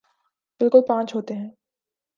بالکل پانچ ہوتے ہیں